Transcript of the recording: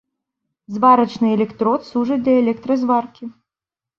Зварачны электрод служыць для электразваркі.